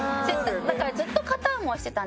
だからずっと片思いしてたんですね。